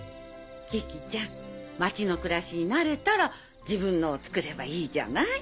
キキちゃん町の暮らしに慣れたら自分のを作ればいいじゃない？